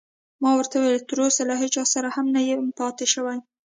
ما ورته وویل: تراوسه له هیڅ چا سره نه یم پاتې شوی.